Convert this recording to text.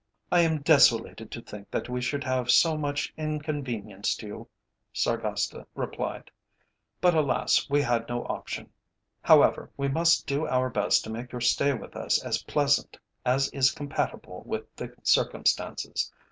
"I am desolated to think that we should have so much inconvenienced you," Sargasta replied. "But, alas, we had no option. However, we must do our best to make your stay with us as pleasant as is compatible with the circumstances.